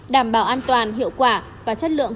đảm bảo an toàn hiệu quả và chất lượng